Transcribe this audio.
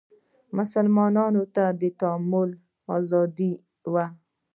مسلمانانو ته تعامل ازادي وه